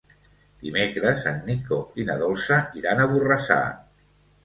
Dimecres en Nico i na Dolça iran a Borrassà.